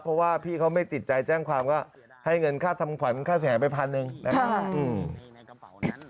เพราะว่าพี่เขาไม่ติดใจแจ้งความก็ให้เงินค่าทำขวัญค่าเสียหายไปพันหนึ่งนะครับ